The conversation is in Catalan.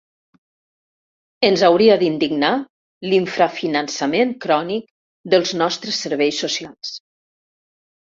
Ens hauria d'indignar l'infrafinançament crònic dels nostres serveis socials.